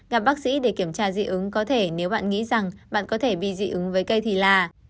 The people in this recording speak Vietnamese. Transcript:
gặp bác sĩ để kiểm tra dị ứng có thể nếu bạn nghĩ rằng bạn có thể bị dị ứng với cây thì là